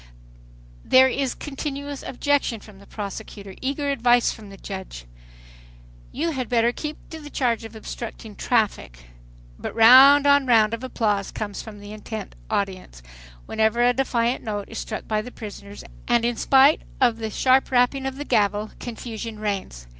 There is continuous objection from the prosecutor, eager advice from the judge, "you had better keep to the charge of obstructing traffic" But round on round of applause comes from the intent audience, whenever a defiant note is struck by the prisoners, and in spite of the sharp rapping of the gavel confusion reigns.